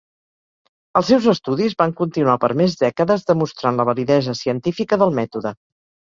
Els seus estudis van continuar per més dècades demostrant la validesa científica del Mètode.